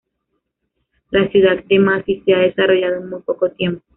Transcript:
La ciudad de Massy se ha desarrollado en muy poco tiempo.